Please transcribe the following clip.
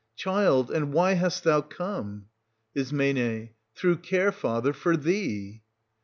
Child, and why hast thou come } Is. Through care, father, for thee.